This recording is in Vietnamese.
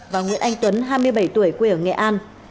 và nguyễn anh tuấn hai mươi bảy tuổi quê ở nghệ an